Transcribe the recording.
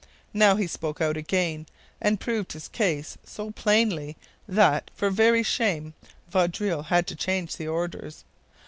Now he spoke out again, and proved his case so plainly that, for very shame, Vaudreuil had to change the orders.